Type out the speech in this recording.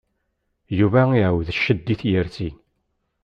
Yuba iεawed ccedd i tyersi.